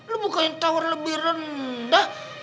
lu buka yang tawar lebih rendah